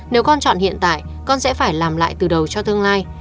nếu con chọn hiện tại con sẽ phải làm lại từ đầu cho tương lai